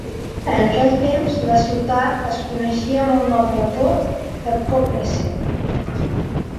En aquell temps, la ciutat es coneixia amb el nom letó de Koknese.